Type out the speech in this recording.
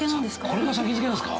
これが先付なんですか？